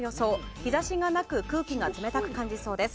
日差しがなく空気が冷たく感じそうです。